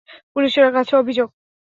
পুলিশের কাছে অভিযোগ?